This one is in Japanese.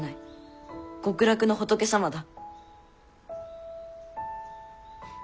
極楽の仏様だ。